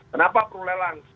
kenapa perlu lelang